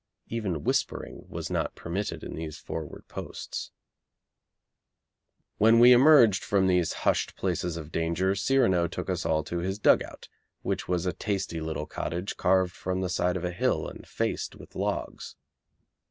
Even whispering was not permitted in these forward posts. When we emerged from these hushed places of danger Cyrano took us all to his dug out, which was a tasty little cottage carved from the side of a hill and faced with logs.